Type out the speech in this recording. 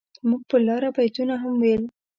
موږ پر لاره بيتونه هم ويل.